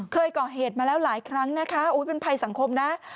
เคยก่อเหตุมาแล้วหลายครั้งนะคะเป็นภัยสังคมนะ